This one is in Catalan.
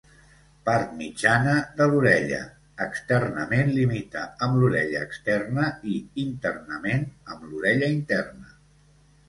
Part mitjana de l'orella, externament limita amb l'orella externa i internament amb l'orella interna.